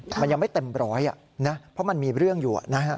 มันยังไม่เต็มร้อยนะเพราะมันมีเรื่องอยู่นะฮะ